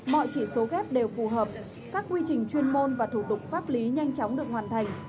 mọi chỉ số ghép đều phù hợp các quy trình chuyên môn và thủ tục pháp lý nhanh chóng được hoàn thành